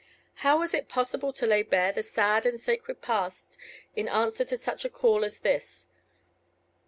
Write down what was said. How was it possible to lay bare the sad and sacred past in answer to such a call as this?